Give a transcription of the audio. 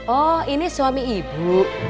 oh ini suami ibu